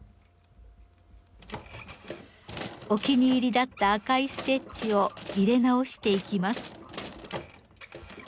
お気に入りだった赤いステッチを入れ直していきます。